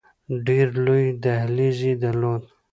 ډېر لوی دهلیز یې درلود.